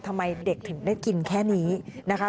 ทำไมเด็กถึงได้กินแค่นี้นะคะ